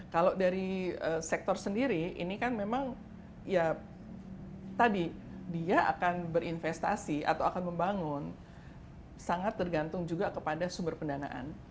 kalau dari sektor sendiri ini kan memang ya tadi dia akan berinvestasi atau akan membangun sangat tergantung juga kepada sumber pendanaan